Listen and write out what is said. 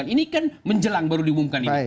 ini kan menjelang baru diumumkan ini